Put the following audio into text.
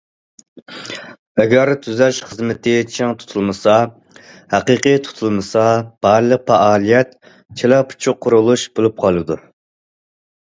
ئەگەر تۈزەش خىزمىتى چىڭ تۇتۇلمىسا، ھەقىقىي تۇتۇلمىسا، بارلىق پائالىيەت« چالا- پۇچۇق قۇرۇلۇش» بولۇپ قالىدۇ.